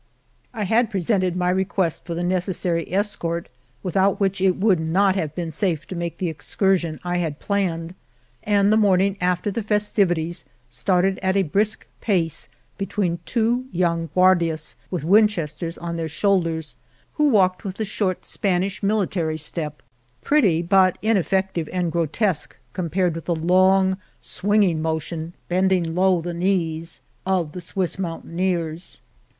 I had presented my request for the neces 195 The Morena sary escort, without which it would not have been safe to make the excursion I had planned, and the morning after the festivities started at a brisk pace between two young Guardias, with Winchesters on their shoul ders, who walked with the short Spanish mili tary step, pretty but ineffective and grotesque compared with the long, swinging motion, bending low the knees, of the Swiss moun taineers.